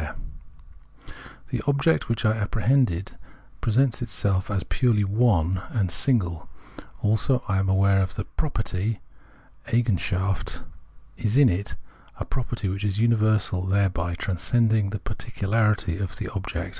Perception 111 The object which I apprehend, presents itself as purely " one " and single : also, I am aware of the " pro perty " (Eigenschaft) in it, a property which is universal, thereby transcending the particularity of the object.